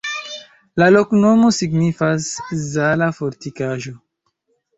La loknomo signifas: Zala-fortikaĵo.